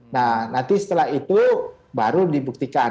nah nanti setelah itu baru dibuktikan